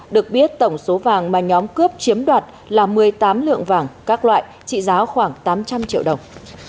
được biết tổng số vàng mà nhóm cướp chiếm đoạt là một mươi tám lượng vàng các loại trị giá khoảng tám trăm linh triệu đồng